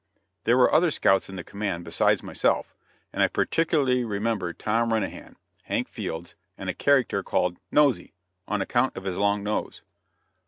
There were other scouts in the command besides myself, and I particularly remember Tom Renahan, Hank Fields and a character called "Nosey" on account of his long nose.